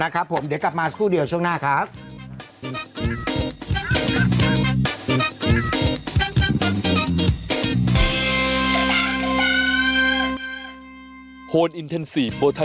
ครับผมเดี๋ยวกลับมาสักครู่เดียวช่วงหน้าครับ